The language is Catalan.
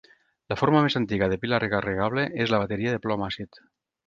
La forma més antiga de pila recarregable és la bateria de plom-àcid.